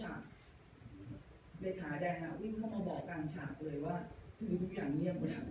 เหลือขาแดงอะวิ่งเข้ามาบอกกลางฉากเลยว่าทุกอย่างเงียบกัน